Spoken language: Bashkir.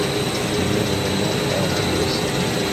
Миңә юрамал аҙ бүләсәк!